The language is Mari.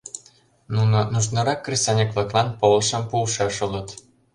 Нуно нужнарак кресаньык-влаклан полышым пуышаш улыт.